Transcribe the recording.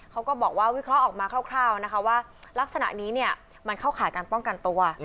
เขาก็บอกว่าวิเคราะห์ออกมาคร่าวนะคะว่าลักษณะนี้เนี่ยมันเข้าข่ายการป้องกันตัว